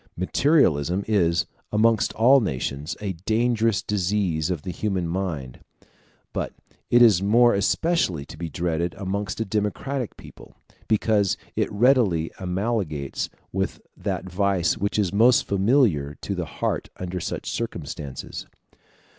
Materialism is, amongst all nations, a dangerous disease of the human mind; but it is more especially to be dreaded amongst a democratic people, because it readily amalgamates with that vice which is most familiar to the heart under such circumstances.